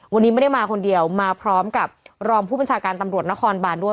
วันนี้ไม่ได้มาคนเดียวมาพร้อมกับรองผู้บัญชาการตำรวจนครบานด้วย